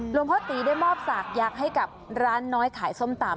พ่อตีได้มอบสากยักษ์ให้กับร้านน้อยขายส้มตำ